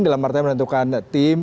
dalam artanya menentukan tim